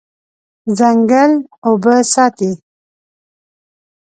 ځنګل اوبه ساتي.